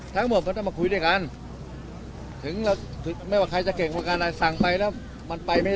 แล้วก็แก้คลายตรงนี้นี่คือลัศจราบาลหน้าเนี่ย